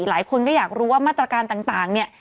หลายคนก็อยากรู้ว่ามาตรการต่างเนี่ย